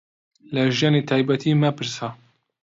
لە ژیانی تایبەتیم مەپرسە.